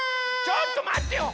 ちょっとまってよ！